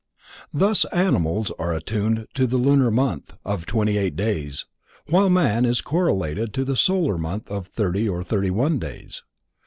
Thus animals are attuned to the lunar month of twenty eight days, while man is correlated to the solar month of thirty or thirty one days.